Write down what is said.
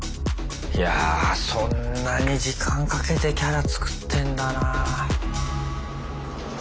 いやそんなに時間かけてキャラ作ってんだな。